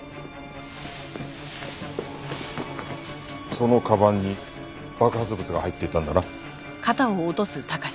その鞄に爆発物が入っていたんだな？